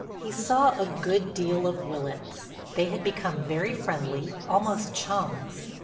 He saw a good deal of Willitts; they had become very friendly, almost chums.